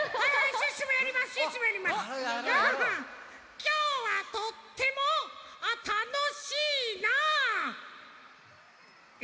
きょうはとってもあったのしいな！え！？